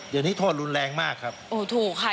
เดี๋ยวนี้โทษรุนแรงมากครับโอ้ถูกค่ะ